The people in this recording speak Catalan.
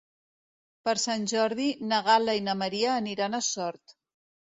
Per Sant Jordi na Gal·la i na Maria aniran a Sort.